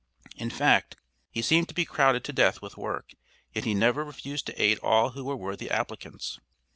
In fact he seemed to be crowded to death with work, yet he never refused to aid all who were worthy applicants.